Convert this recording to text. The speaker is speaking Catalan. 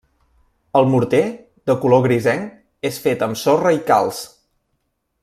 El morter, de color grisenc, és fet amb sorra i calç.